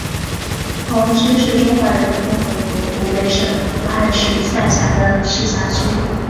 黄区是中华人民共和国湖北省武汉市下辖的市辖区。